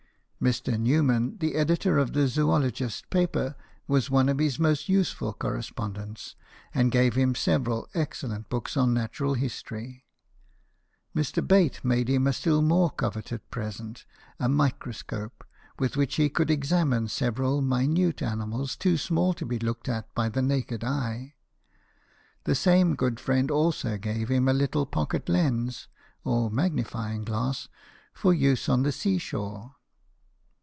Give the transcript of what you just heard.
Mr. Newman, the editor of the Zoologist paper, was one of his most useful correspon dents, and gave him several excellent books on natural history. Mr. Bate made him a still more coveted present a microscope, with which he could examine several minute animals, too small to be looked at by the naked eye. The same good friend also gave him a little pocket lens (or magnifying glass) for use on the sea shore.